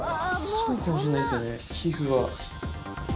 そうかもしれないですよね皮膚が。